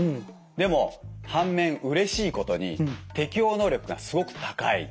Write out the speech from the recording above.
でも反面うれしいことに適応能力がすごく高い。